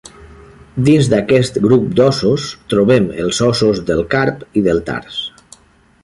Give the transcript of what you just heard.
Dins d'aquest grup d'ossos trobem els ossos del carp i del tars.